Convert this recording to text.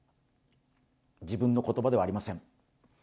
自分の言葉ではありません。